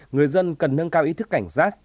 người dân cần nâng cao ý thức cảnh giác